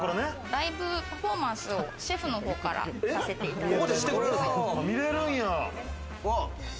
ライブパフォーマンスをシェフのほうから見せていただきます。